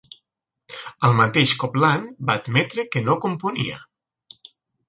El mateix Copland va admetre que no componia.